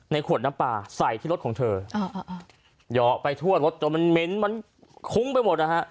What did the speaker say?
ขวดน้ำปลาใส่ที่รถของเธอเหยาะไปทั่วรถจนมันเหม็นมันคุ้งไปหมดนะฮะ